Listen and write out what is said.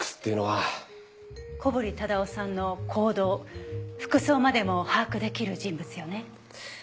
小堀忠夫さんの行動服装までも把握出来る人物よね。